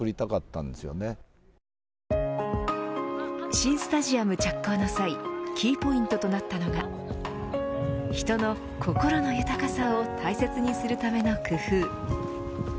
新スタジアム着工の際キーポイントとなったのが人の心の豊かさを大切にするための工夫。